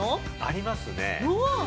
ありますね。